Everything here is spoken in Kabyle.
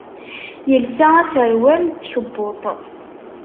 Yelsa aserwal d tkebbuḍt.